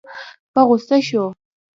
په غوسه شو.